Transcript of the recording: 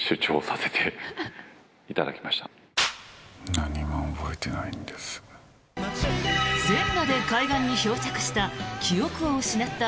何も覚えてないんです。